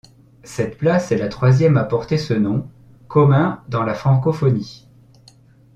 Cette place est la troisième à porter ce nom, commun dans la francophonie.